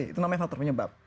itu namanya faktor penyebab